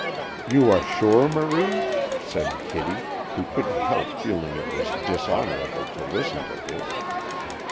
"You are sure, Marie?" said Kitty, who couldn't help feeling it was dishonorable to listen to this.